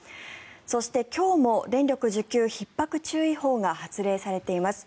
そして、今日も電力需給ひっ迫注意報が発令されています。